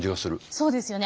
そうですよね。